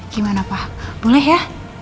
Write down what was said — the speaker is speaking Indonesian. gimana pak boleh ya